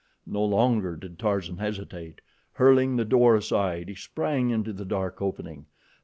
No longer did Tarzan hesitate. Hurling the door aside, he sprang into the dark opening.